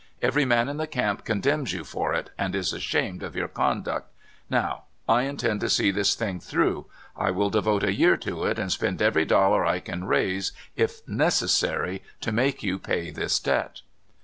Every man in the camp condemns you for it, and is ashamed of your conduct. Now, I intend to see this thing through. I will devote a year to it and spend every dollar I can raise if necessary to make you pay this debt!